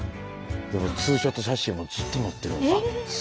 ツーショット写真をずっと持ってるんです。